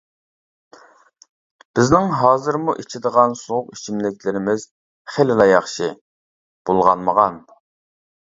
بىزنىڭ ھازىرمۇ ئىچىدىغان سوغۇق ئىچىملىكلىرىمىز خېلىلا ياخشى، بۇلغانمىغان.